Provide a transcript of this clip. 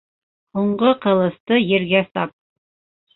Һуңғы ҡылысты ергә сап.